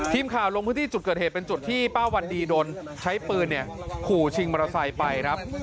ทีมข่าวลงพื้นที่จุดเกิดเหตุเป็นจุดที่ป้าวันดีโดนใช้ปืนขู่ชิงมอเตอร์ไซค์ไปครับ